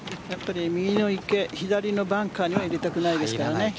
やっぱり右の池左のバンカーには入れたくないですよね。